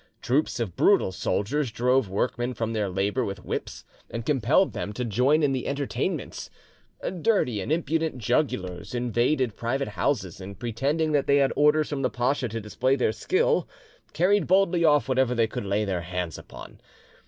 Troops of brutal soldiers drove workmen from their labour with whips, and compelled them to join in the entertainments; dirty and impudent jugglers invaded private houses, and pretending that they had orders from the pacha to display their skill, carried boldly off whatever they could lay their hands upon.